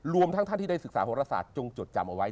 รวมทั้งท่านที่ได้ศึกษาโหรศาสตร์จงจดจำเอาไว้